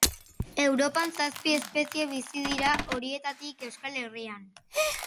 Europan zazpi espezie bizi dira, horietatik Euskal Herrian.